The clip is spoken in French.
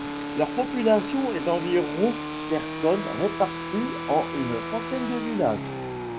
Leur population est d’environ personnes réparties en une trentaine de villages.